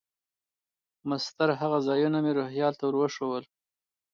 مسطر هغه ځایونه مې روهیال ته ور وښوول.